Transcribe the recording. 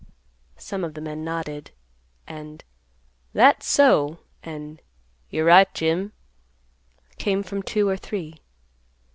Some of the men nodded, and "That's so," and "You're right, Jim" came from two or three.